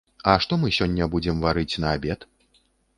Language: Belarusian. А што мы сёння будзем варыць на абед?